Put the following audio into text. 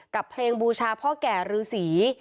กับเพลงบูชาพ่อแก่รื้อสี